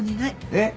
えっ？